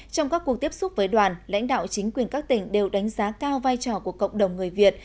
trong các cuộc tiếp xúc với đoàn lãnh đạo chính quyền các tỉnh đều đánh giá cao vai trò của cộng đồng người việt